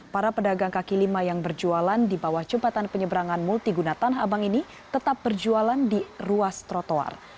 para pedagang kaki lima yang berjualan di bawah jembatan penyeberangan multiguna tanah abang ini tetap berjualan di ruas trotoar